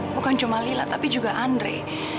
bukan cuma lila tapi juga andre